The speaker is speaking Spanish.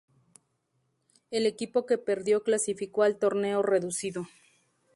El equipo que perdió clasificó al "Torneo Reducido".